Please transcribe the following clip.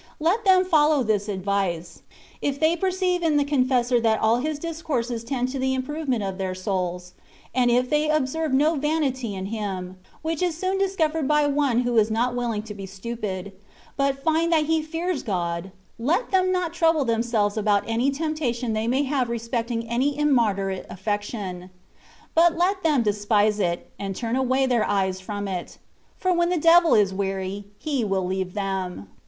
Let them follow this advice ; if they per ceive in the confessor that all his discourses tend to the improvement of their souls; and if they observe no vanity in him (which is soon discovered by one who is not willing to be stupid) , but find that he fears God, let them not trouble them selves about any temptation they may have re specting any immoderate aflfection ; but let them despise it and turn away their eyes from it; for when the devil is weary he will leave them.